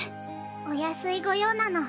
お安い御用なの。